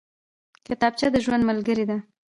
کتابچه د ژوند ملګرې ده